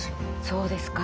そうですか。